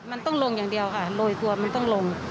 มันต้องลงอย่างเดียวค่ะโรยตัวมันต้องลง